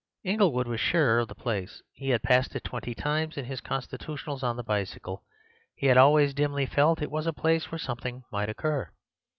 Inglewood was sure of the place; he had passed it twenty times in his constitutionals on the bicycle; he had always dimly felt it was a place where something might occur.